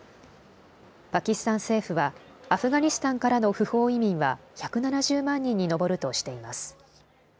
パキスタン政府はアフガニスタンからの不法移民は１７０万人に上るとしています。